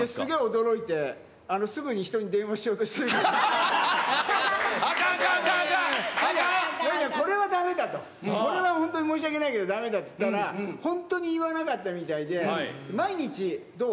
驚いて、すぐに人に電あかん、あかん、あかん、これはだめだと、これは本当に申し訳ないけど、だめだって言ったら、本当に言わなかったみたいで、毎日、どう？